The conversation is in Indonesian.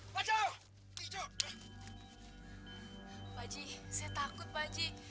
pak ji saya takut pak ji